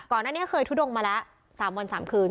ก่อนอันนี้เคยทุดงมาละ๓วัน๓คืน